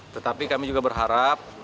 tetapi kami juga berharap